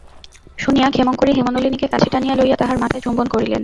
শুনিয়া ক্ষেমংকরী হেমনলিনীকে কাছে টানিয়া লইয়া তাহার মাথায় চুম্বন করিলেন।